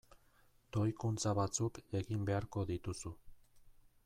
Doikuntza batzuk egin beharko dituzu.